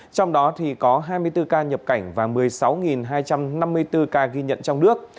trong đó có hai mươi bốn ca nhập cảnh và một mươi sáu hai trăm năm mươi bốn ca ghi nhận trong nước